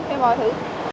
em hỏi thử